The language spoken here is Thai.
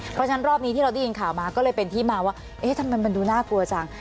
เพราะฉะนั้นรอบนี้ที่เราได้ยินข่าวมาก็เลยเป็นที่มาว่าเอ๊ะทำไมมันดูน่ากลัวจัง